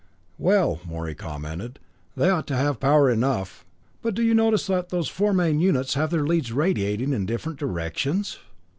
"Well," Morey commented, "they ought to have power enough. But do you notice that those four main units have their leads radiating in different directions?